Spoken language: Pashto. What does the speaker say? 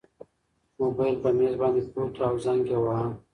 موبایل په مېز باندې پروت و او زنګ یې واهه.